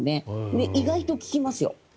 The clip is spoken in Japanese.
意外と聞きますよ。